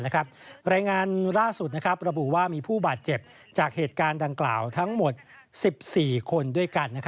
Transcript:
รายงานล่าสุดระบุว่ามีผู้บาดเจ็บจากเหตุการณ์ดังกล่าวทั้งหมด๑๔คนด้วยกัน